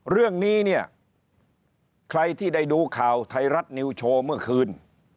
เรื่องนี้เนี่ยใครที่ได้ดูข่าวไทยรัฐนิวโชว์เมื่อคืน